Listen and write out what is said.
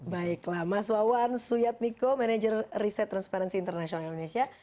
baiklah mas wawan suyadmiko manager reset transparency international indonesia